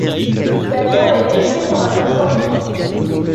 L'avion est détruit par un incendie.